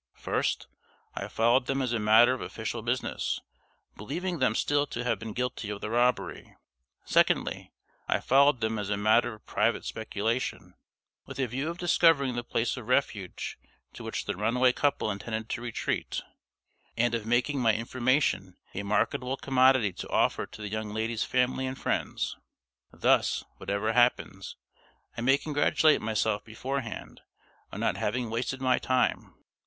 First, I followed them as a matter of official business, believing them still to have been guilty of the robbery. Secondly, I followed them as a matter of private speculation, with a view of discovering the place of refuge to which the runaway couple intended to retreat, and of making my information a marketable commodity to offer to the young lady's family and friends. Thus, whatever happens, I may congratulate myself beforehand on not having wasted my time.